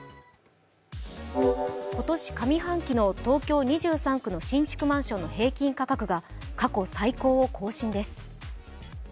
今年上半期の東京２３区の新築マンションの平均価格が過去最高を更新です。